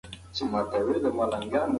که سرود ووایو نو احساس نه مري.